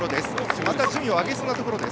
また順位を上げそうなところです。